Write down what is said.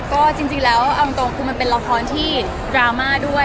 ก็จริงแล้วเอาตรงคือมันเป็นละครที่ดราม่าด้วย